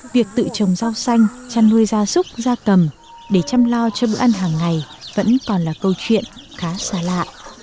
việc tự trồng rau xanh chăn nuôi gia súc gia cầm để chăm lo cho bữa ăn hàng ngày vẫn còn là câu chuyện khá xa lạ